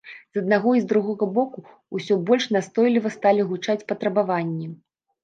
З аднаго і з другога боку ўсё больш настойліва сталі гучаць патрабаванні.